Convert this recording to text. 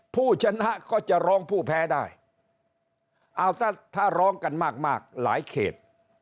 ผู้ชนะก็จะร้องผู้แพ้ได้เอาถ้าถ้าร้องกันมากมากหลายเขต